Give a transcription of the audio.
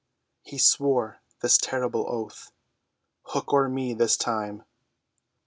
He swore this terrible oath: "Hook or me this time."